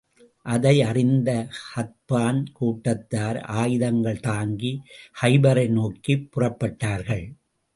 அதை அறிந்த கத்பான் கூட்டத்தார் ஆயுதங்கள் தாங்கி, கைபரை நோக்கிப் புறப்பட்டாகள்.